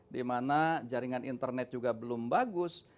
dimana jaringan internet juga belum bagus